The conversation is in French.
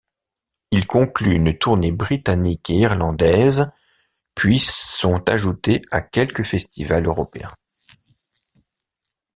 Ils concluent une tournée britannique et irlandaise, puise sont ajoutés à quelques festivals européens.